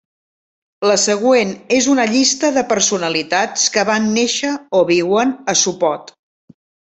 La següent és una llista de personalitats que van néixer o viuen a Sopot.